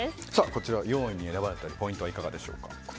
こちら４位に選ばれたポイントはいかがでしょうか？